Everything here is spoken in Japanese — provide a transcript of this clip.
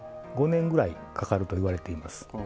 ５年ぐらいかかるといわれています。